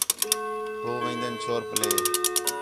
ہو وین٘دین چھور پلّے